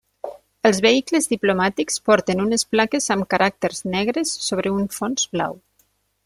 Els vehicles diplomàtics porten unes plaques amb caràcters negres sobre un fons blau.